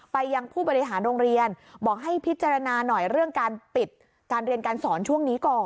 ยังผู้บริหารโรงเรียนบอกให้พิจารณาหน่อยเรื่องการปิดการเรียนการสอนช่วงนี้ก่อน